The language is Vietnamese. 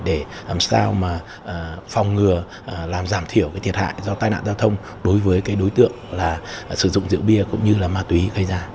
để làm sao phòng ngừa làm giảm thiểu thiệt hại do tai nạn giao thông đối với đối tượng sử dụng rượu bia cũng như ma túy gây ra